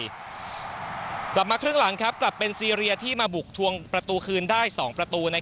กลับมาครึ่งหลังกลับเป็นซีเรียที่มาบุกทวงประตูคืนได้๒ประตู